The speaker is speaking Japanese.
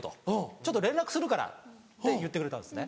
ちょっと連絡するから」って言ってくれたんですね。